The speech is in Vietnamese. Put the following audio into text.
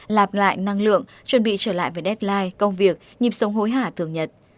lạp lại năng lượng chuẩn bị trở lại với deadline công việc nhịp sống hối hả thường nhật